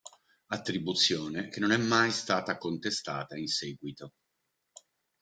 Attribuzione che non è mai stata contestata in seguito.